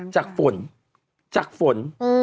จากฝน